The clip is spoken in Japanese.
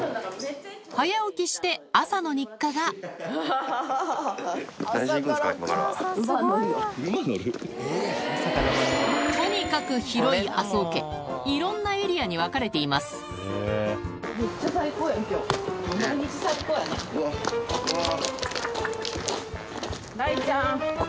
早起きして朝の日課がとにかく広い麻生家いろんなエリアに分かれています雷ちゃん。